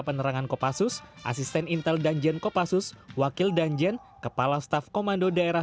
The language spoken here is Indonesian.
penerangan kopassus asisten intel dan jen kopassus wakil danjen kepala staf komando daerah